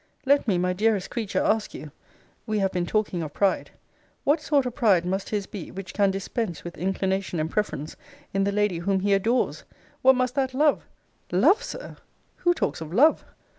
Let me, my dearest creature, ask you, (we have been talking of pride,) What sort of pride must his be, which can dispense with inclination and preference in the lady whom he adores? What must that love Love, Sir! who talks of love?